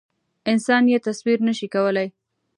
انسان یې تصویر نه شي کولی.